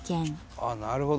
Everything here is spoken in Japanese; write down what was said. あっなるほど。